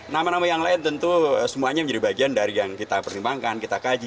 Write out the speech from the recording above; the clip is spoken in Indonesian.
nama nama yang lain tentu semuanya menjadi bagian dari yang kita pertimbangkan kita kaji